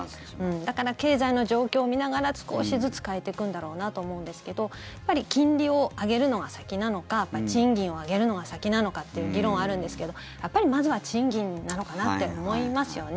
だから経済の状況を見ながら少しずつ変えていくんだろうなと思うんですけどやっぱり金利を上げるのが先なのか賃金を上げるのが先なのかっていう議論があるんですけどやっぱりまずは賃金なのかなって思いますよね。